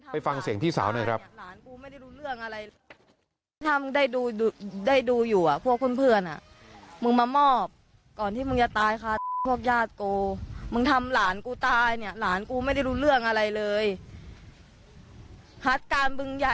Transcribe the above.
ไปฟังเสียงพี่สาวหน่อยครับ